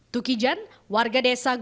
tukijan warga desa gunung